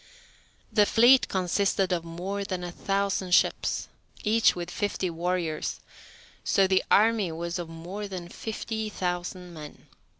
The fleet consisted of more than a thousand ships, each with fifty warriors, so the army was of more than fifty thousand men.